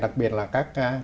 đặc biệt là các